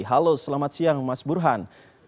halo selamat siang mas burhan